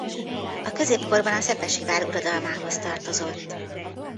A középkorban a Szepesi vár uradalmához tartozott.